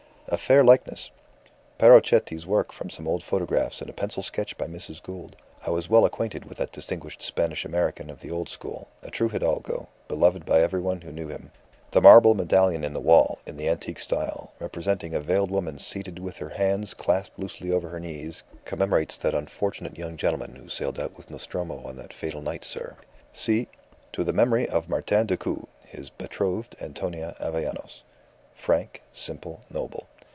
A fair likeness. Parrochetti's work from some old photographs and a pencil sketch by Mrs. Gould. I was well acquainted with that distinguished Spanish American of the old school, a true Hidalgo, beloved by everybody who knew him. The marble medallion in the wall, in the antique style, representing a veiled woman seated with her hands clasped loosely over her knees, commemorates that unfortunate young gentleman who sailed out with Nostromo on that fatal night, sir. See, 'To the memory of Martin Decoud, his betrothed Antonia Avellanos.' Frank, simple, noble.